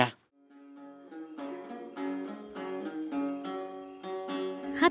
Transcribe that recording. hát then đàn tư